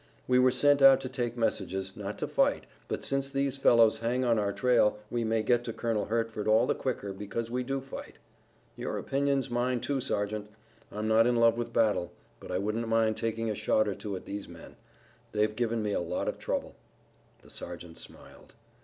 We were sent out to take messages, not to fight, but since these fellows hang on our trail we may get to Colonel Hertford all the quicker because we do fight." "Your opinion's mine too, Sergeant. I'm not in love with battle, but I wouldn't mind taking a shot or two at these men. They've given me a lot of trouble." The sergeant smiled.